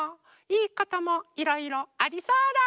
いいこともいろいろありそうだ。